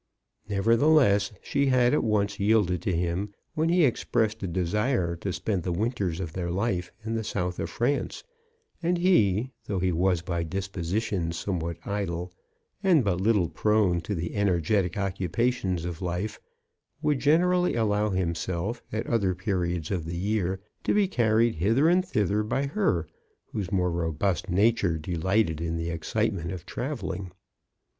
Never theless, she had at once yielded to him when he expressed a desire to spend the winters of their life in the South of France ; and he, though he was by disposition somewhat idle, and but little prone to the energetic occupations of life, would generally allow himself, at other periods of the year, to be carried hither and thither by her, whose more robust nature de lighted in the excitement of travelling.